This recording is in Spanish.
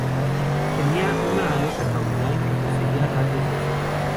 Tenía una aleta caudal que poseía radios óseos.